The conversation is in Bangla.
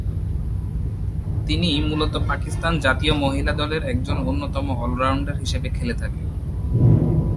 তিনি মুলত পাকিস্তান জাতীয় মহিলা দলের একজন অন্যতম অল-রাউন্ডার হিসেবে খেলে থাকেন।